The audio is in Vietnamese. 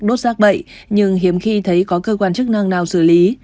đốt rác bậy nhưng hiếm khi thấy có cơ quan chức năng nào xử lý